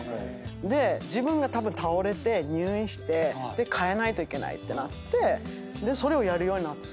で自分が倒れて入院して変えないといけないってなってそれをやるようになって。